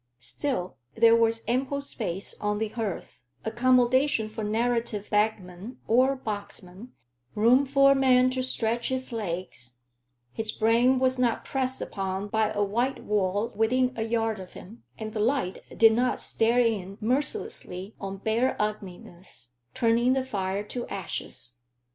Still, there was ample space on the hearth accommodation for narrative bagmen or boxmen room for a man to stretch his legs; his brain was not pressed upon by a white wall within a yard of him, and the light did not stare in mercilessly on bare ugliness, turning the fire to ashes.